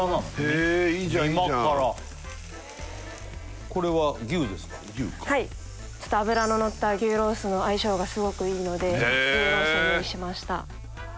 へえいいじゃんいいじゃんみまからはいちょっと脂ののった牛ロースの相性がすごくいいので牛ロースを用意しました